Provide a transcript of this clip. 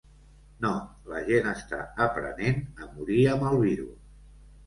No, la gent està aprenent a morir amb el virus.